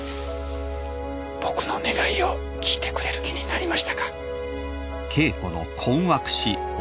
僕の願いを聞いてくれる気になりましたか？